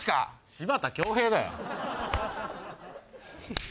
柴田恭兵だよ！